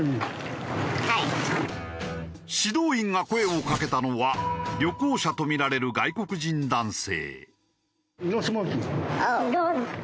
指導員が声をかけたのは旅行者とみられる外国人男性。